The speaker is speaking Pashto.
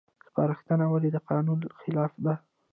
سپارښتنه ولې د قانون خلاف ده؟